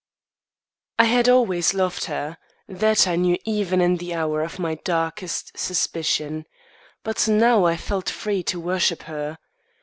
I had always loved her; that I knew even in the hour of my darkest suspicion but now I felt free to worship her.